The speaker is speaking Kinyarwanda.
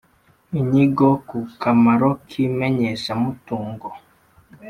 Inyigo ku kamaro k imenyekanishamutungo